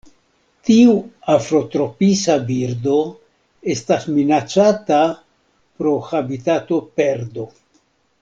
Tiu afrotropisa birdo estas minacata pro habitatoperdo.